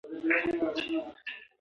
نن بازار ته ځم.